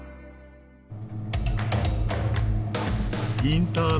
インター